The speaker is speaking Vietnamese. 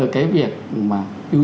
cái việc mà